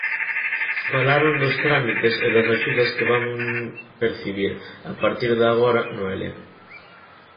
Falaron dos trámites e das axudas que van percibir a partir de agora, Noelia.